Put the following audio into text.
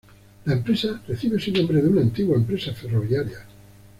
La empresa recibe su nombre de una antigua empresa ferroviaria.